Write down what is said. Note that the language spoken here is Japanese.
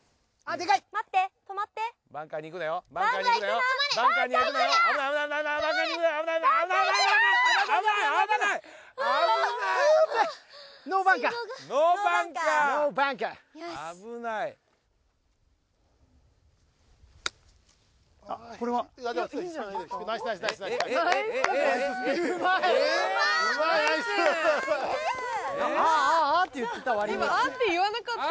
今あぁって言わなかった。